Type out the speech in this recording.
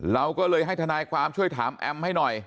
เราก็เลยให้ทนายความช่วยถามแอมให้หน่อย